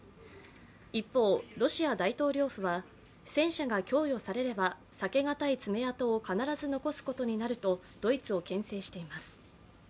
一方、ロシア大統領府は戦車が供与されれば、避けがたい爪痕を必ず残すことになるとドイツをけん制しています。